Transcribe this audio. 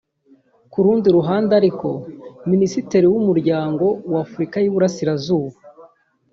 Ku rundi ruhande ariko Minisitiri w’Umuryango w’Afurika y’Iburasirazuba